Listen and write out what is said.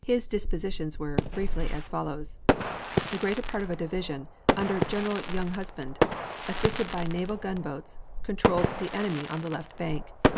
His dispositions were, briefly, as follows: The greater part of a division under General Younghusband, assisted by naval gunboats, controlled the enemy on the left bank.